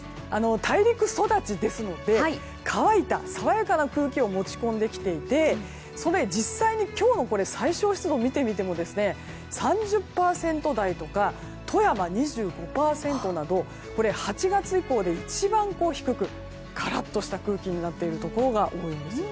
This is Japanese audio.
大陸育ちですので乾いた爽やかな空気を持ち込んできていて実際に今日の最小湿度を見てみても３０％台とか富山、２５％など８月以降で一番低くカラッとした空気になっているところが多いんですよね。